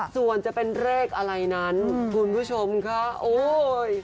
ส่วนจะเป็นเลขอะไรนั้นคุณผู้ชมค่ะโอ้ย